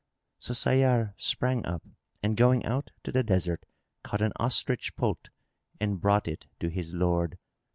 So Sayyar sprang up and going out to the desert caught an ostrich poult and brought it to his lord.